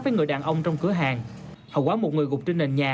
với người đàn ông trong cửa hàng hậu quả một người gục trên nền nhà